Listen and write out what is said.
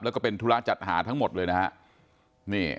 แล้วก็เป็นธุระจัดหาทั้งหมดเลยนะฮะ